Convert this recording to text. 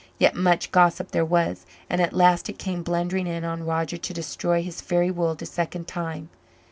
Yet much gossip there was, and at last it came blundering in on Roger to destroy his fairy world a second time.